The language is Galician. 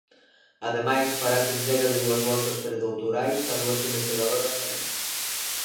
Ademais, farase entrega de dúas bolsas predoutorais a dúas investigadoras galegas.